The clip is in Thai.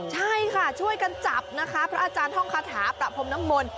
ใช่ค่ะช่วยกันจับนะคะพระอาจารย์ท่องคาถาประพรมน้ำมนต์